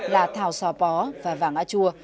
là thảo sò pó và vàng a chua